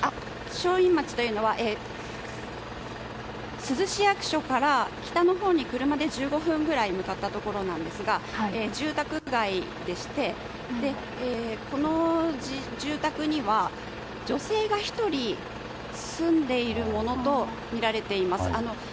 正院町というのは珠洲市役所から北のほうに車で１５分ぐらい向かったところなんですが住宅街でして、この住宅には女性が１人住んでいるものとみられています。